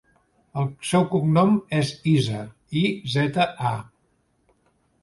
El seu cognom és Iza: i, zeta, a.